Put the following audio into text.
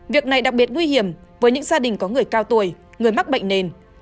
việc này đặc biệt nguy hiểm với những gia đình có người cao tuổi người mắc bệnh nền